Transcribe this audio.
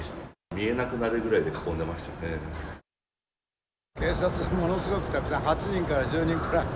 見えなくなるぐらい囲んでました警察がものすごくたくさん、８人から１０人くらい。